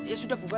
ya sudah bubar